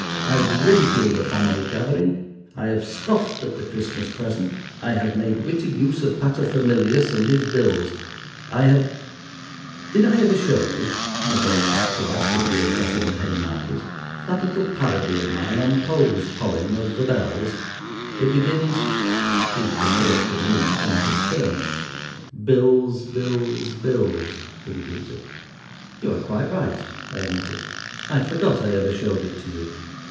I have ridiculed the family gathering. I have scoffed at the Christmas present. I have made witty use of paterfamilias and his bills. I have—" "Did I ever show you," I broke off to ask as we were crossing the Haymarket, "that little parody of mine on Poe's poem of 'The Bells'? It begins—" He interrupted me in his turn— "Bills, bills, bills," he repeated. "You are quite right," I admitted. "I forgot I ever showed it to you."